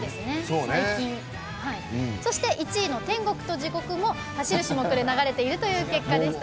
そして、１位の「天国と地獄」も走る種目で流れているという結果でした。